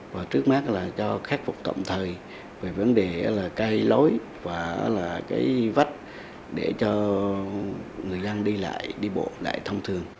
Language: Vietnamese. và trước mắt là cho khép phục tổng thời về vấn đề là cây lối và cái vách để cho người dân đi lại đi bộ